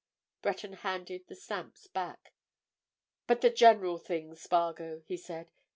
Breton handed the stamps back. "But the general thing, Spargo?" he said.